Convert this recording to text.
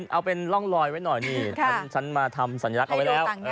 เอาเป็นร่องลอยไว้หน่อยนี่ฉันมาทำสัญลักษณ์เอาไว้แล้ว